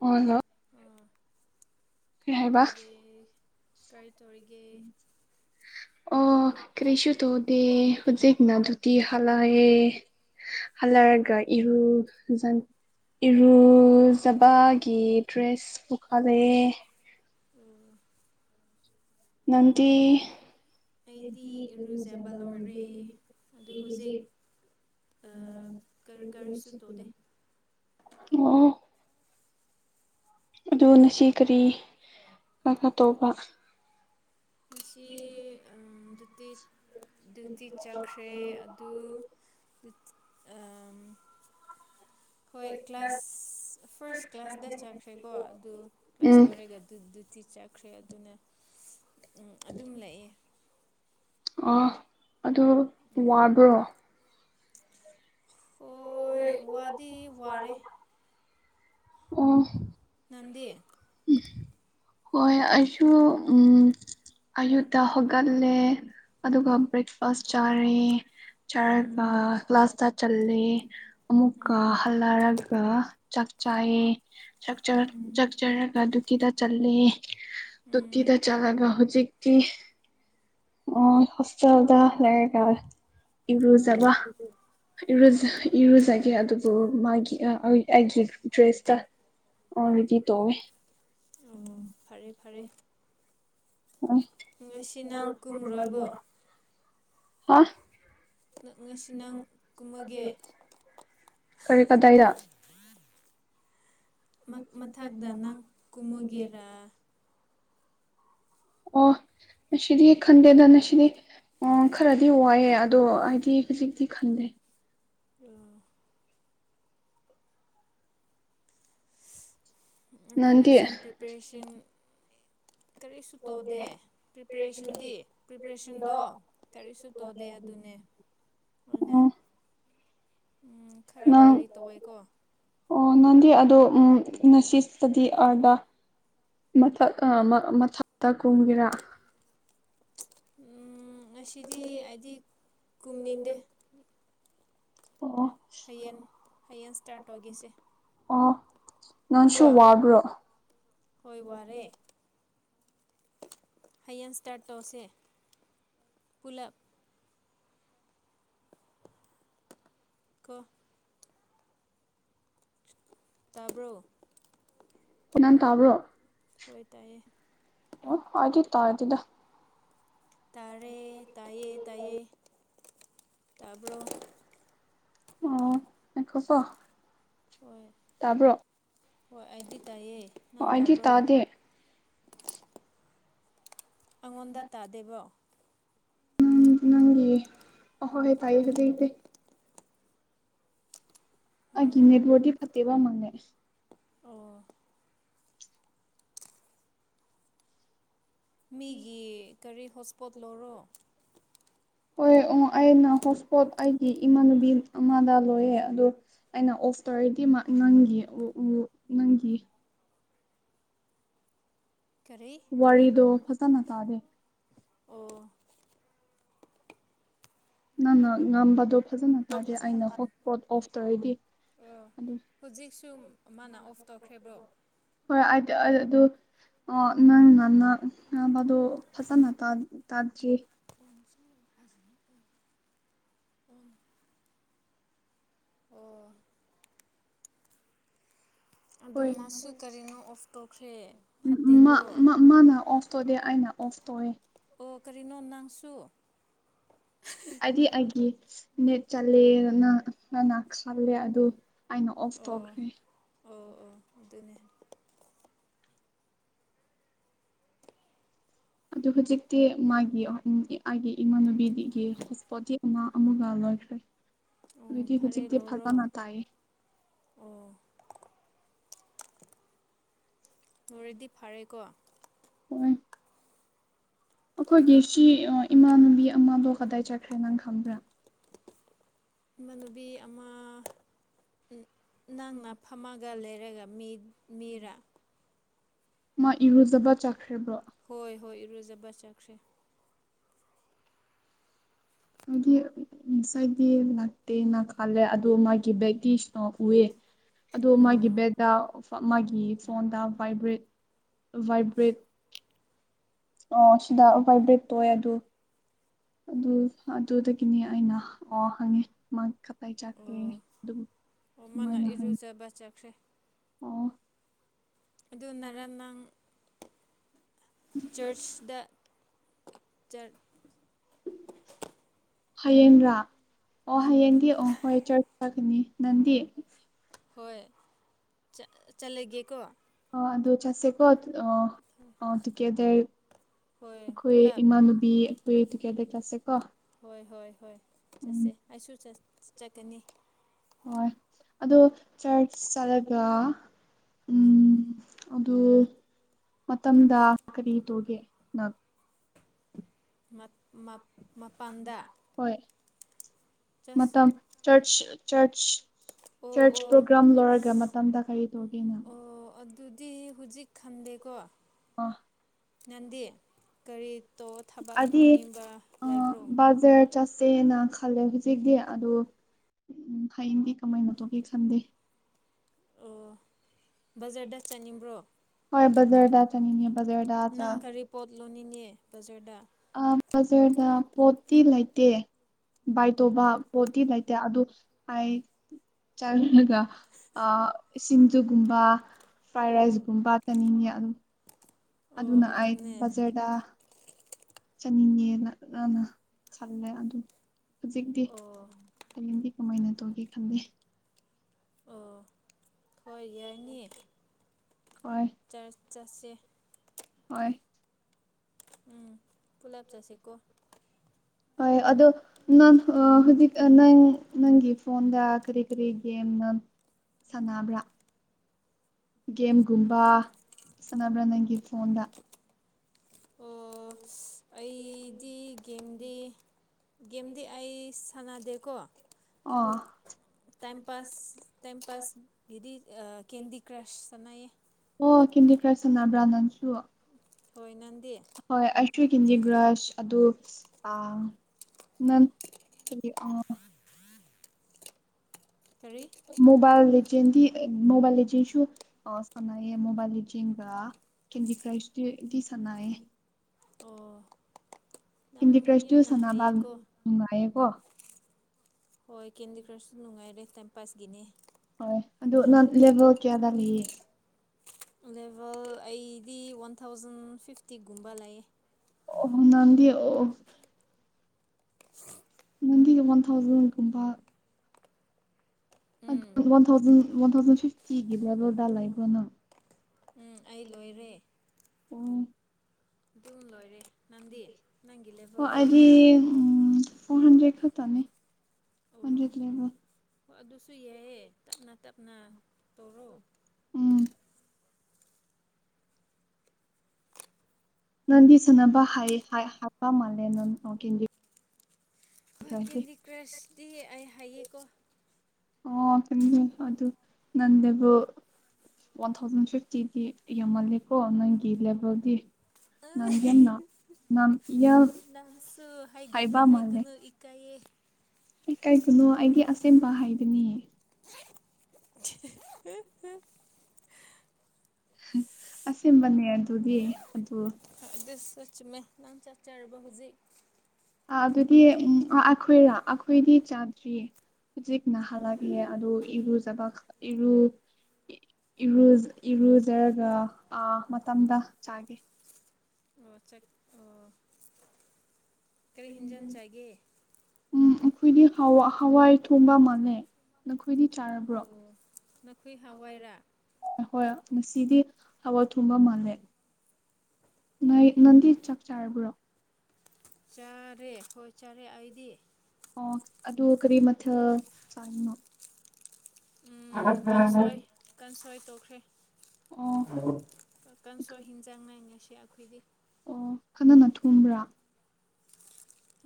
ꯑꯣ ꯍꯜꯂꯣ ꯑ ꯀꯩ ꯀꯥꯏ ꯍꯥꯏꯕ ꯇꯒꯦ ꯀꯥꯏ ꯑꯣ ꯀꯔꯤꯁꯨ ꯇꯧꯗꯦ ꯍꯧꯖꯤꯛꯅꯅꯥꯙꯨꯇꯤ ꯍꯥꯂꯑꯌꯦ ꯍꯜꯂꯔꯒ ꯏꯔ ꯟ ꯏꯔꯨꯖꯕꯒꯤ ꯗ꯭ꯔꯦꯁ ꯄꯨꯈꯥꯂꯛꯑꯦ ꯎꯝ ꯅꯗꯤ ꯑꯩꯗꯤ ꯏꯔꯨꯖꯕ ꯂꯣꯏꯔꯦ ꯑꯗꯨ ꯍꯧꯖꯤꯛ ꯀꯔꯤꯁꯨ ꯇꯧꯗꯦ [unintelligible] ꯑꯣ ꯑꯗꯨ ꯉꯁꯤ ꯀꯔꯤ ꯀꯥ ꯀꯥ ꯇꯧꯕ ꯍ ꯇꯤ ꯆꯠꯈ꯭ꯔꯦ ꯑꯗꯨ ꯍꯣꯏ ꯀ꯭ꯂꯥꯁ ꯑ ꯐꯥꯔꯁ ꯀ꯭ꯂꯥꯁꯇ ꯆꯠꯈ꯭ꯔꯦꯀꯣ ꯑꯗꯨ ꯀ꯭ꯂꯥꯁ ꯎꯝ ꯂꯣꯏꯔꯒ ꯑꯗꯨꯗꯨꯗꯤ ꯆꯠꯈ꯭ꯔꯦ ꯑꯗꯨꯅ [unintelligible] ꯑꯗꯨꯝ ꯂꯥꯛꯏ ꯑꯥ ꯑꯗꯨ ꯋꯥꯕ꯭ꯔꯣ ꯑꯣ ꯋꯥ ꯎꯝ ꯅꯗꯤ ꯍꯣꯏ ꯑꯩꯁꯨ ꯎꯝ ꯑꯌꯨꯛꯇ ꯍꯧꯒꯠꯂꯦ ꯑꯗꯨꯒ ꯕ꯭ꯔꯦꯛꯐꯥꯁ ꯆꯥꯔꯦ ꯆꯔ ꯀ꯭ꯂꯥꯁꯇ ꯆꯂꯦ ꯑꯃꯨꯛ ꯍꯜꯂꯔꯒ ꯆꯥꯛ ꯆꯥꯏꯑ ꯆꯥꯛꯆꯔꯒ ꯑꯗꯨ ꯇꯀꯤꯗ ꯆꯠꯂꯦ ꯇꯣꯀꯤꯗ ꯆꯠꯂꯒ ꯍꯧꯖꯤꯛꯇꯤ ꯑꯣ ꯁꯁꯥ ꯑꯣꯗ ꯂꯩꯦ ꯀꯥꯜ ꯏꯕꯨ꯭ꯔ ꯆꯕ ꯏꯔ ꯏꯔꯨꯖꯒꯦ ꯑꯗꯨꯕꯨ ꯃꯥꯒꯤ ꯑꯩꯒꯤ ꯗ꯭ꯔꯦꯁꯇ ꯑꯣ ꯏꯗꯤ ꯇꯣꯋꯦ ꯑꯣ ꯐꯔꯦ ꯐꯔꯦ ꯉꯁꯤ ꯅ ꯀꯨꯝꯔꯣꯏꯕꯣ ꯍꯥ ꯉꯁꯤ ꯅꯪ ꯀꯨꯝꯃꯒꯦ ꯈꯔ ꯀꯗꯥꯏꯗ ꯃ ꯃ ꯃꯊꯛꯇ ꯅꯪ ꯆꯃꯒꯦꯔꯒ ꯀꯨꯝꯃꯒꯦꯔꯥ ꯑꯣ ꯅ ꯁꯤꯗꯤ ꯈꯟꯗꯦꯗ ꯅ ꯁꯤꯗꯤ ꯑꯣ ꯈꯔꯗꯤ ꯋꯥꯏꯑꯦ ꯑꯗꯣ ꯑꯩꯗꯤ ꯈꯖꯤꯛꯇꯤ ꯈꯟꯗꯦ ꯑ ꯑꯗꯨ ꯅꯪꯗꯤ ꯑꯦꯛꯖꯥꯝ ꯄ꯭ꯔꯤꯄꯔꯦꯁꯟ ꯀꯔꯤꯁꯨ ꯇꯧꯗꯦ ꯄ꯭ꯔꯤꯄꯦꯔꯦꯁꯟꯗꯤ ꯄ꯭ꯔꯤꯄꯦꯔꯦꯁꯟꯗꯣ ꯀꯔꯤꯁꯨ ꯇꯧꯗꯦ ꯑꯗꯨꯅꯦ ꯎꯝ ꯑꯣꯏꯅꯟꯅ ꯎꯝ ꯈꯔ ꯅꯪ ꯋꯥꯔꯤ ꯇꯧꯋꯦꯀꯣ ꯑꯣ ꯅꯪꯗꯤ ꯑꯗꯣ ꯉꯁꯤꯁꯤꯇꯗꯤ ꯑꯥꯔꯗ ꯃꯊꯛ ꯑ ꯃꯊꯛꯇ ꯀꯨꯝꯒꯦꯔꯥ ꯉꯁꯤꯗꯤ ꯑꯩꯗꯤ ꯀꯨꯝꯅꯤꯡꯗꯦ [unintelligible] ꯑꯣ ꯍꯌꯦꯡ ꯍꯌꯦꯡ ꯏꯁꯇꯥꯔꯠ ꯇꯧꯒꯦꯁꯦ ꯅꯣꯟꯁꯨ ꯀꯣ ꯋꯥꯕ꯭ꯔꯣ ꯍꯣꯏ ꯋꯥꯔꯦ ꯍꯌꯦꯡ ꯏꯁꯇꯥꯔꯠ ꯇꯧꯁꯦ ꯄꯨꯂꯞ ꯀꯣ ꯇꯥꯕ꯭ꯔꯣ ꯅꯟ ꯇꯥꯕ꯭ꯔꯣ ꯍꯣꯏ ꯇꯥꯏꯌꯦ ꯑꯣ ꯍꯥꯏꯦ ꯇ ꯍꯥꯏꯗꯗ ꯇꯔꯦ ꯇꯥꯏꯦ ꯇꯥꯏꯌꯦ ꯇꯕꯣ ꯑꯣ ꯂꯁ ꯍꯣꯏ ꯍꯣꯏ ꯑꯩꯗꯤ ꯇꯥꯏꯌꯦ ꯑꯣ ꯅꯍꯥꯟ ꯑꯩꯗꯤ ꯇꯥꯕ꯭ꯔꯣ ꯇꯥꯗꯦ ꯑꯩꯉꯣꯟꯗ ꯇꯥꯗꯦꯕꯣ ꯎꯝ ꯅꯪꯒꯤ ꯑ ꯍꯣ ꯍꯦ ꯇꯥꯏ ꯍꯖꯤ ꯏꯗꯦ ꯑꯩꯒꯤ ꯍꯣꯏ ꯅꯦꯠꯋꯔꯤ ꯐꯠꯇꯦꯕ ꯃꯪꯉꯦ ꯑꯣ ꯃꯤꯒꯤ ꯀꯔꯤ ꯍꯣꯠꯁꯄꯣꯠ ꯂꯧꯔꯣ ꯍꯣꯏ ꯑꯣ ꯑꯩꯅ ꯍꯣꯠ ꯏꯁꯄꯣꯠ ꯑꯩꯒꯤ ꯏꯃꯥꯟꯅꯨꯕꯤ ꯑꯃꯗ ꯂꯣꯏꯌꯦꯦ ꯑꯗꯣ ꯑꯩꯅ ꯑꯣꯐ ꯇꯧꯔꯗꯤ ꯃꯥ ꯅꯪꯒꯤ ꯎ ꯅꯪꯒꯤ ꯀꯔꯤ ꯀꯔꯤ ꯋꯥꯔꯤꯗꯣ ꯐꯖꯅ ꯇꯥꯗꯦ ꯑꯣ ꯅꯪꯅ ꯉꯝꯕꯗꯣ ꯐꯖꯅ ꯗꯣ ꯇꯥꯗꯦ ꯐꯖꯅ ꯑꯩꯅ ꯇꯥ ꯍꯣꯠ ꯏꯁꯄꯣꯠ ꯑꯣꯐ ꯇꯧꯔꯏꯗꯤ ꯑꯣ ꯍꯧꯖꯤꯛꯁꯨ ꯃꯥꯅ ꯑꯣꯐ ꯇꯧꯈ꯭ꯔꯦꯕ꯭ꯔꯣ ꯍꯣꯏ ꯑꯗꯨ ꯑꯣ ꯅꯪ ꯉꯟꯅꯅꯥꯕꯗꯨ ꯐꯖꯅ ꯇꯥꯦ ꯝ ꯍꯖꯤꯛ ꯑꯣꯝ ꯑꯣ ꯑꯗꯨ ꯍꯣꯏ ꯃꯥꯁꯨ ꯀꯔꯤꯅꯣ ꯑꯣꯐ ꯇꯧꯈ꯭ꯔꯦ ꯐꯠꯇꯦꯀꯣ ꯇꯣꯗꯤ ꯑꯩꯅ ꯑꯣꯐ ꯇꯧꯋꯦ ꯑꯣ ꯀꯔꯤꯅꯣ ꯅꯪꯁꯨ ꯑꯩꯗꯤ ꯑꯩꯒꯤ ꯅꯦꯠ ꯆꯠꯂꯦ ꯅꯅ ꯈꯜꯂꯦ ꯑꯗꯨ ꯑꯩꯅ ꯑꯣꯐ ꯑꯣ ꯇꯧꯈ꯭ꯔꯦ ꯑꯣ ꯑꯣ ꯑꯗꯨꯅꯦ ꯑꯗꯨ ꯍꯧꯖꯤꯛꯇꯤ ꯃꯥꯒꯤ ꯑꯩꯒꯤ ꯏꯃꯥꯟꯅꯨꯕꯤꯒꯤ ꯍꯁꯄꯣꯇꯤ ꯑꯃ ꯑꯃꯒ ꯂꯣꯏꯈ꯭ꯔꯦ ꯑꯣ ꯑꯗꯨꯗꯤ ꯐꯔꯦ ꯍꯧꯖꯤꯛꯇꯤ ꯂꯣꯏꯔꯣ ꯐꯖꯅ ꯇꯥꯏꯌꯦ ꯑꯣ ꯃꯣꯔꯦꯗꯤ ꯐꯔꯦꯀꯣ ꯍꯣꯏ ꯑꯩꯈꯣꯏꯒꯤ ꯁꯤ ꯏꯃꯥꯟꯅꯕꯤ ꯑꯃꯗꯣ ꯀꯗꯥꯏ ꯆꯠꯈ꯭ꯔꯦ ꯅꯪ ꯈꯪꯕ꯭ꯔꯥ ꯏ ꯃꯅꯨꯕꯤ ꯑꯃ ꯅꯪꯅ ꯐꯝꯃꯒ ꯂꯩꯔꯒ ꯃꯤꯔꯥ ꯃꯥ ꯏꯔꯨꯖꯕ ꯆꯥ ꯍꯣꯏ ꯍꯣꯏ ꯏꯔꯨꯖꯕ ꯆꯥꯛꯁꯦ ꯍꯥꯏꯗꯤ ꯉꯁꯥꯏꯗꯤ ꯂꯥꯛꯇꯦꯅ ꯈꯜꯂꯦ ꯑꯗꯣ ꯃꯥꯒꯤ ꯕꯦꯛꯇꯇꯤ ꯏꯁꯅ ꯎꯑꯦ ꯑꯗꯣ ꯃꯥꯒꯤ ꯑꯣ ꯕꯦꯗꯥ ꯃꯥꯒꯤ ꯐꯣꯟꯗ ꯚꯏꯕ꯭ꯔꯦꯠ ꯚꯥꯏꯕ꯭ꯔꯦꯠ ꯑꯣ ꯁꯤꯗꯏ ꯇꯑꯣꯏꯦ ꯑꯗꯨ ꯑꯗꯨ ꯑꯗꯨꯗꯒꯤꯅꯤ ꯑꯩꯅ ꯑꯣ ꯍꯪꯉꯤ ꯆꯈꯦ ꯑꯣ ꯑꯣ ꯃꯥꯅ ꯃꯅꯍꯟ ꯏꯔꯨꯖꯕ ꯆꯠꯈ꯭ꯔꯦ ꯑꯣ ꯑꯗꯨꯅꯔ ꯅꯪ ꯆꯔꯆ ꯗ ꯆꯔ ꯍꯌꯦꯡꯕ꯭ꯔꯥ ꯑꯣ ꯍꯌꯦꯡꯗꯤ ꯑꯣ ꯍꯣꯏ ꯆ ꯆꯒꯅꯤ ꯅꯪꯗꯤ ꯍꯣꯏ ꯆꯠ ꯆ ꯑꯗꯨ ꯆꯠꯂꯒꯦꯀꯣ ꯑꯗꯨ ꯆꯠꯁꯦ ꯀꯣ ꯇꯨꯒꯦꯗꯔ ꯍꯣꯏ ꯑꯩꯈꯣꯏ ꯄꯨꯂꯞ ꯏꯃꯥꯟꯅꯨꯕꯤ ꯑꯩꯈꯣꯏ ꯀꯦꯗ ꯀꯁꯦ ꯀꯣ ꯍꯣꯏ ꯍꯣꯏ ꯍꯣꯏ ꯆꯠꯁꯦ ꯑꯩꯁꯨ ꯆꯠꯀꯅꯤ ꯍꯣꯏ ꯑꯗꯣ ꯆꯔꯆ ꯆꯠꯂꯒ ꯎꯝ ꯑꯗꯨꯗ ꯃꯇꯝꯗ ꯀꯔꯤ ꯇꯒꯦ ꯃ ꯃ ꯃꯄꯥꯟꯗ ꯍꯣꯏꯣꯏ ꯆꯁ ꯃꯇꯝ ꯆꯆ ꯆ ꯑꯣ ꯆꯔꯆ ꯑꯣ ꯄ꯭ꯔꯣꯒ꯭ꯔꯥꯝ ꯂꯣꯏꯔꯒ ꯃꯇꯝꯗ ꯀꯔꯤ ꯇꯧꯒꯦꯅ ꯑꯗꯨꯨꯗꯤ ꯍꯧꯖꯤꯛ ꯈꯟꯗꯦꯀꯣ ꯑꯣ ꯅꯪꯗꯤ ꯀꯔꯤ ꯇꯣ ꯊꯕꯛ ꯑꯗꯤ ꯇꯧꯅꯤꯡꯕ ꯑ ꯂꯩꯕ꯭ꯔꯣ ꯕꯖꯥꯔ ꯆꯠꯁꯦꯅ ꯈꯜꯂꯦ ꯍꯧꯖꯤꯛꯇꯤ ꯑꯗꯨꯗ ꯎꯝ ꯍꯌꯦꯡꯗꯤ ꯀꯃꯥꯏꯅ ꯇꯣꯒꯦ ꯁꯟꯗꯦ ꯑꯣ ꯕꯖꯥꯔꯗ ꯆꯥꯅꯤꯡꯕ꯭ꯔꯣ ꯍꯣꯏ ꯕꯖꯔꯗ ꯆꯠꯅꯤꯡꯉꯦ ꯕꯖꯔꯗ ꯅꯪ ꯀꯔꯤ ꯄꯣꯠ [unintelligible] ꯕꯖꯔꯗ ꯄꯣꯠꯇꯤ ꯂꯩꯇꯦ ꯕꯥꯏ ꯇꯣꯕ ꯄꯣꯠꯇꯤ ꯂꯩꯇꯦ ꯑꯗꯨ ꯑꯩ ꯆꯪꯉꯒ ꯑ ꯁꯤꯡꯖꯨꯒꯨꯝꯕ ꯐ꯭ꯔꯥꯏ ꯑꯣ ꯔꯥꯏꯁꯒꯨꯝꯕ ꯄꯥ ꯆꯅꯤꯡꯉꯦ ꯑꯗꯨꯝ ꯑꯣ ꯑꯗꯨꯅ ꯑꯩ ꯑꯗꯨꯅꯦ ꯕꯖꯔꯗ ꯆꯠꯅꯤꯡꯉꯦꯅ ꯈꯜꯂꯦ ꯑꯗꯨ ꯍꯧꯖꯤꯛꯇꯤ ꯑꯣ ꯍꯌꯦꯡꯗꯤ ꯀꯃꯥꯏꯅ ꯇꯧꯒꯦ ꯈꯟꯗꯦ ꯑꯣ ꯍꯣꯏ ꯌꯥꯏꯅꯤ ꯍꯣꯏ ꯆ ꯆꯠꯁꯦ ꯍꯣꯏ ꯎꯝ ꯄꯨꯂꯞ ꯆꯥꯁꯤ ꯀꯧꯕ [unintelligible] ꯑꯗꯨ ꯅ ꯍꯧꯖꯤꯛ ꯅꯪ ꯅꯪꯒꯤ ꯐꯣꯟꯟꯗ ꯀꯔꯤ ꯀꯔꯤ ꯅ ꯁꯅꯥꯅꯕ꯭ꯔꯥ ꯒꯦꯝꯒꯨꯝꯕ ꯁꯥꯟꯅꯕ꯭ꯔꯥ ꯅꯪꯒꯤ ꯐꯣꯟꯗ ꯑꯣ ꯑꯩꯗꯤ ꯒꯦꯝꯗꯤ ꯒꯦꯝꯗꯤ ꯑꯩ ꯁꯥꯟꯅꯗꯦꯀꯣ ꯑ ꯇꯥꯁ ꯇꯥꯏ ꯄꯥꯁ ꯑꯗꯨꯗꯤ ꯀꯦꯟꯗꯤ ꯀ꯭ꯔꯁ ꯁꯅꯦ ꯑꯣ ꯀꯝꯗꯤ ꯀ꯭ꯔꯔꯁꯅꯥ ꯭ꯔꯥꯟꯅꯟꯁꯨ ꯍꯣꯏ ꯅ ꯍꯣꯏ ꯑ꯭ꯋ ꯍꯤꯟꯗꯤ ꯒ꯭ꯔꯁ ꯑꯗꯨ ꯅꯪ ꯀꯔꯤ ꯃꯣꯕꯥꯏꯜꯗꯤ ꯃꯣꯕꯥꯏꯜ ꯆꯁꯨ ꯁꯉꯏ ꯃꯣꯕꯥꯜ ꯆ ꯀꯦꯟꯗꯤ ꯀ꯭ꯔꯥꯁ ꯆꯅꯥꯏ ꯑꯣ ꯅꯪ ꯍꯤꯟꯗꯤ ꯀ꯭ꯔꯁ ꯇꯨ ꯌꯥꯝꯅ ꯁꯅꯥꯕꯥꯕ ꯍꯩꯌꯦꯀꯣ ꯉꯀꯣ ꯍꯣꯏ ꯀꯦꯟꯗꯤ ꯀ꯭ꯔꯁꯁꯨ ꯅꯨꯡꯉꯥꯏꯔꯦ ꯇꯥꯏꯝ ꯄꯥꯁꯀꯤꯅꯦ ꯍꯣꯏ ꯑꯗꯨ ꯅꯪ ꯂꯦꯚꯦꯜ ꯀꯌꯥꯗ ꯃꯤꯌꯦ ꯑꯕꯦꯜ ꯑꯩꯗꯤ ꯋꯥꯟ ꯊꯥꯎꯖꯟ ꯐꯤꯐ ꯤ ꯒꯨꯝꯕꯥ ꯂꯑꯦ ꯑꯣ ꯅꯪꯗꯤ ꯑꯣ ꯃꯟꯤ ꯋꯥꯟ ꯊꯥꯎꯖꯟꯀꯕ ꯟ ꯎꯝ ꯊꯥꯎꯖꯟ ꯋꯥꯟ ꯊꯥꯎꯖꯟ ꯐꯤꯐꯇꯤꯒꯤꯕꯕꯣꯗ ꯂꯥꯏꯕꯅꯪ ꯎꯝ ꯑꯩ ꯂꯣꯏꯔꯦ ꯎꯝ ꯑꯗꯨꯝ ꯂꯣꯏꯔꯦ ꯅꯪꯗꯤ ꯅꯪꯒꯤ ꯑꯣ ꯂꯦꯚꯦꯜꯗꯤ ꯑꯩꯗꯤ ꯎꯝ ꯐ ꯍꯟꯗꯦ ꯈꯇꯅꯤ ꯑꯣ ꯍꯟꯖꯦꯗ ꯂꯩꯕ ꯑꯗꯨꯁꯨ ꯌꯥꯏꯑꯦ ꯇꯞꯅ ꯇꯞꯅ ꯇꯧꯔꯣ ꯎꯝ ꯅꯗꯤ ꯁꯅꯅꯕ ꯍꯥꯏ ꯍꯥꯏꯄ ꯃꯥꯜꯂꯦ ꯅ ꯀ ꯍꯣꯏ ꯀꯦꯟꯗꯤ ꯀ꯭ꯔꯁꯇꯤ ꯑꯩ ꯍꯥꯏꯌꯦꯀꯣ ꯑꯣ ꯀꯦ ꯑꯗꯨ ꯑꯗꯨ ꯅꯟꯦꯕꯨꯣ ꯋꯥꯟ ꯊꯥꯎꯖꯟ ꯐꯤꯐꯇꯤꯗꯤ ꯌꯧꯍꯜꯂꯦꯀꯣ ꯅꯪꯒꯤ ꯂꯦꯚꯦꯜꯗꯤ ꯅꯪꯒꯦꯅ ꯅꯝ ꯏ ꯈ ꯍꯩꯒꯨꯨ ꯍꯩꯒꯨꯅ ꯏꯀꯥꯏꯑꯦ ꯑꯦ ꯀꯔꯤꯒꯤꯅꯣ ꯑꯩꯒꯤ ꯑꯁꯦꯝꯕ ꯍꯥꯏꯕꯅꯦ [unintelligible] ꯑꯁꯕꯅꯦ ꯑꯗꯨꯗꯤ ꯑꯗꯨ ꯑꯗꯨꯗ ꯁ ꯃꯦ ꯅ ꯆꯆꯔꯔꯕ ꯍꯧꯖꯤꯛ ꯑ ꯑꯗꯨꯗꯤ ꯎꯝ ꯑ ꯑꯩꯈꯣꯏꯔꯥ ꯑꯩꯈꯣꯏꯗꯤ ꯆꯥꯗ꯭ꯔꯤꯌꯦ ꯍꯧꯖꯤꯛ ꯅꯍꯜꯂꯒꯦ ꯑꯗꯨ ꯏꯔꯨ ꯆꯕ ꯏꯔ ꯏꯔꯨꯖꯔꯒ ꯃꯇꯝꯗ ꯆꯥꯒꯦ ꯑꯣ ꯑꯣ ꯀꯔꯤ ꯍꯦꯟꯖꯟ ꯆꯥꯏꯒꯦ ꯎꯝ ꯑꯩꯈꯣꯏꯗꯤ ꯍ ꯍꯋꯥꯏ ꯊꯣꯡꯕ ꯃꯥꯅꯦ ꯑꯩꯈꯣꯏꯗꯤ ꯆꯥꯔꯕ꯭ꯔꯣ ꯑꯣ ꯅꯈꯣꯏ ꯍꯋꯥꯏꯔꯥ ꯑꯍꯣꯏ ꯉꯁꯤꯗꯤ ꯍꯋꯥ ꯊꯨꯝꯕ ꯃꯥꯜꯂꯦ ꯑꯣ ꯅꯟꯗꯤ ꯆꯥꯛ ꯆꯥꯔꯕ꯭ꯔꯣ ꯆꯥꯔꯦ ꯍꯣꯏ ꯆꯥꯔꯦ ꯑꯩꯗꯤ ꯔꯤ ꯃꯊ ꯆꯥꯡꯅ ꯀꯥꯡꯁꯣꯏ ꯀꯥꯡꯁꯣꯏ ꯇꯣꯛꯈ꯭ꯔꯦ ꯑꯣ ꯀꯟꯁꯨ ꯍꯤꯟꯖꯥꯡꯅꯥꯏ ꯉꯁꯤ ꯑꯩꯈꯣꯏꯗꯤ ꯑꯣ ꯈꯅꯅ ꯊꯨꯝꯕ꯭ꯔꯥ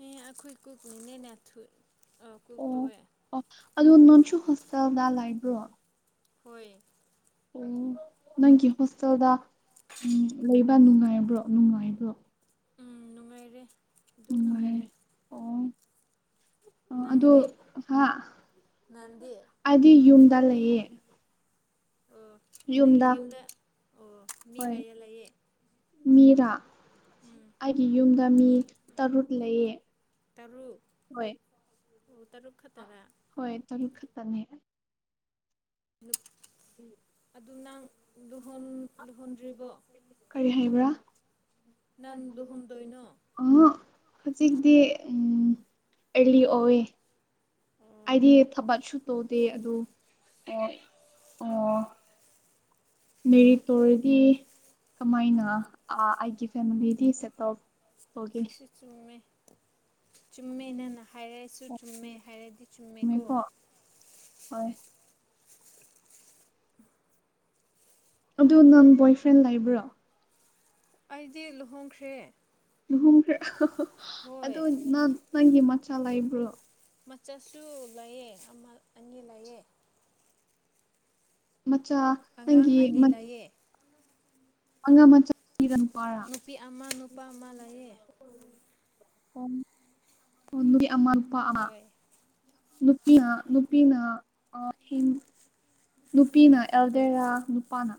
ꯑꯦ ꯑꯩꯈꯣꯏ ꯀꯨꯞꯅꯤꯅꯦꯅꯦ ꯀ ꯇꯣꯛꯑꯦ ꯑꯗꯨꯗꯣ ꯅꯣꯟꯁꯨ ꯍꯣꯁꯇꯦꯜꯗ ꯂꯩꯕ꯭ꯔꯣ ꯍꯣꯏ ꯎꯝ ꯅꯪꯒꯤ ꯍꯣꯁꯇꯦꯜꯗ ꯎꯝ ꯂꯩꯕ ꯅꯨꯡꯉꯥꯏꯕ꯭ꯔꯣ ꯅꯨꯡꯉꯥꯏꯕ꯭ꯔꯣ ꯎꯝ ꯅꯨꯡꯉꯥꯏꯔꯦ ꯑꯗꯨꯝ ꯅꯨꯡꯉꯥꯏꯔꯦ ꯑ ꯑꯗꯨ ꯅꯪꯗꯤ ꯍꯥ ꯅꯪꯗꯤ ꯑꯗꯤ ꯌꯨꯝꯗ ꯂꯩꯌꯦ ꯑꯣ ꯅꯪꯒꯤ ꯌꯨꯝꯗ ꯑꯣ ꯃꯤ ꯍꯣꯏ ꯀꯌꯥ ꯂꯩꯌꯦ ꯃꯤꯔꯥ ꯎꯝ ꯑꯩꯒꯤ ꯌꯨꯝꯗ ꯃꯤ ꯇꯔꯨꯛ ꯂꯩꯌꯦ ꯇꯔꯨꯛ ꯑꯣ ꯇꯔꯨꯛ ꯈꯛꯇꯔꯥ ꯍꯣꯏ ꯇꯔꯨꯛ ꯈꯛꯇꯅꯦ ꯑꯗꯨ [inaudible] ꯅꯪ ꯂꯨꯍꯣꯟ ꯎꯝ ꯂꯨꯍꯣꯟꯗ꯭ꯔꯤꯕꯣ [inaudible] ꯀꯔꯤ ꯍꯥꯏꯕ꯭ꯔꯥ ꯅꯪ ꯂꯨꯍꯣꯡꯗꯣꯏꯅꯣ ꯑ ꯍꯧꯖꯤꯛꯗꯤ ꯎꯝ ꯑꯦꯔꯂꯤ ꯑꯣꯋꯦ ꯑꯣ ꯑꯩꯗꯤ ꯊꯕꯛ ꯁꯨ ꯇꯧꯗꯦ ꯑꯗꯨ ꯑꯣ ꯑꯣ ꯃꯦꯔꯤ ꯇꯣꯔꯗꯤ ꯀꯃꯥꯏꯅ ꯑꯩꯒꯤ ꯐꯦꯃꯤꯂꯤꯗꯤ ꯁꯦꯠꯇꯜ ꯁꯤ ꯆꯨꯡꯃꯦ ꯆꯨꯝꯃꯦ ꯅꯪꯅ ꯍꯥꯏꯔꯁꯨ ꯆꯨꯝꯃꯦ ꯆꯨꯝꯃꯦꯀꯣ ꯍꯥꯏꯔꯗꯤ ꯆꯨꯝꯃꯦꯀꯣ ꯍꯣꯏ ꯑꯗꯨ ꯅꯪ ꯕꯣꯏꯐ꯭ꯔꯦꯟ ꯂꯩꯕ꯭ꯔꯣ ꯑꯩꯗꯤ ꯂꯨꯍꯣꯡꯈ꯭ꯔꯦ ꯂꯨꯍꯣꯡꯈ꯭ꯔꯥ ꯑꯗꯨ ꯍꯣꯏ ꯅ ꯅꯪꯒꯤ ꯃꯆꯥ ꯂꯩꯥꯏꯕ꯭ꯔꯣ ꯃꯆꯥꯁꯨ ꯂꯌꯦ ꯎꯝ ꯍꯧ [inaudible] ꯃꯆꯥ ꯑꯉꯥꯡ ꯅꯪꯒꯤ ꯑꯅꯤ ꯂꯩꯌꯦ ꯑꯉ [inaudible] ꯃꯆꯥ ꯅꯨꯄꯤꯔ ꯅꯨꯄꯔ ꯅꯨꯄꯤ ꯑꯃ ꯅꯨꯄꯥ ꯑꯃ ꯂꯩꯌꯦ ꯅꯨꯄꯤ ꯑꯃ ꯅꯨꯄꯥ ꯑꯃ ꯍꯣꯏ ꯅꯨꯄꯤ ꯅꯨꯄꯤꯅ ꯅꯨꯄꯤꯅ ꯑꯦꯜꯗꯦꯔꯥ ꯅꯨꯄꯥꯅ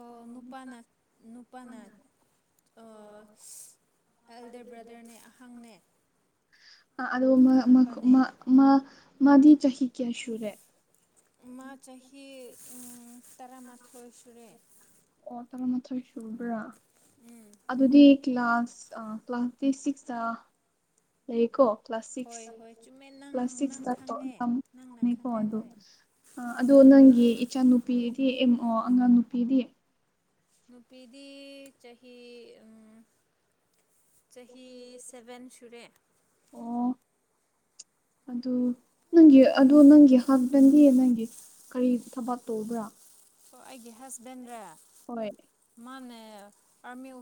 ꯑꯣ ꯅꯨꯄꯥꯅ ꯅꯨꯄꯥꯅ ꯑꯦꯜꯗꯔ ꯕ꯭ꯔꯗꯔꯅꯦ ꯑꯍꯪꯅꯦ ꯑꯥ ꯑꯗꯣ ꯃꯥꯗꯤ ꯆꯍꯤ ꯀꯌꯥ ꯁꯨꯔꯦ ꯃꯥ ꯆꯍꯤ ꯇꯔꯥꯃꯥꯊꯣꯏ ꯁꯨꯔꯦ ꯑꯣ ꯇꯔꯥꯃꯥꯊꯣꯏ ꯁꯨꯕ꯭ꯔꯥ ꯑꯗꯨꯗꯤ ꯀ꯭ꯂꯥꯁ ꯀ꯭ꯂꯥꯁ ꯊꯔꯤ ꯁꯤꯛꯁꯇ ꯂꯩꯌꯦꯀꯣ ꯀ꯭ꯂ ꯍꯣꯏ ꯍꯣꯏ ꯆꯨꯝꯃꯦ ꯅꯪ ꯅꯪ ꯈꯪꯉꯦ ꯅꯪꯅ ꯀ꯭ꯂꯥꯁꯅꯤꯀꯣ ꯈꯪꯉꯦ ꯍꯣꯏ ꯑꯗꯨ ꯅꯪꯒꯤ ꯏꯆꯥꯅꯨꯄꯤꯗꯤ ꯑꯦꯝ ꯑꯣ ꯑꯉꯥꯡ ꯅꯨꯄꯤꯗꯤ ꯅꯨꯄꯤꯗꯤ ꯆꯍꯤ ꯆꯍꯤ ꯁꯚꯦꯟ ꯁꯨꯔꯦ [inaudible] ꯑꯗꯨ ꯅꯪꯒꯤ ꯑꯗꯨ ꯅꯪꯒꯤ ꯍꯁꯕꯦꯟꯒꯤ ꯅꯪꯒꯤ ꯀꯔꯤ ꯊꯕꯥꯛ ꯇꯧꯕ꯭ꯔꯥ ꯑꯣ ꯑꯩꯒꯤ ꯍꯁꯕꯦꯟ꯭ꯔꯥ ꯍꯣꯏ ꯃꯅꯦ ꯑꯃ